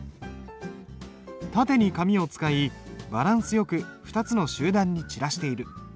縦に紙を使いバランスよく２つの集団に散らしている。